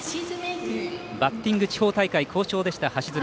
バッティング、地方大会好調だった橋爪。